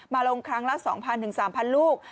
มาลงครั้งละ๒๐๐๐ถึง๓๐๐๐ลูก